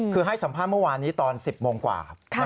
คือให้สัมภาษณ์เมื่อวานนี้ตอน๑๐โมงกว่า